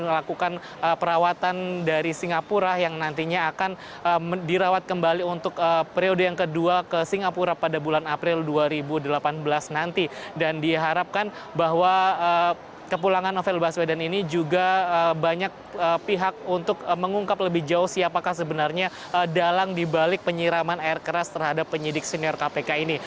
dan kiprah dari novel baswedan ini ditunggu kepulangan novel baswedan ini juga banyak pihak untuk mengungkap lebih jauh siapakah sebenarnya dalang dibalik penyiraman air keras terhadap penyidik senior kpk ini